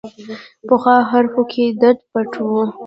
پخو حرفو کې درد پټ وي